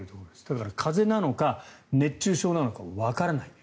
だから風邪なのか熱中症なのかわからない。